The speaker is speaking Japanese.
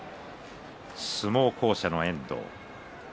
相撲巧者の遠藤。